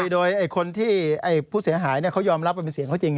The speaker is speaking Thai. โดยคนที่ผู้เสียหายเขายอมรับว่าเป็นเสียงเขาจริง